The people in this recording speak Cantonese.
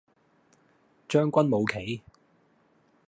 將軍冇棋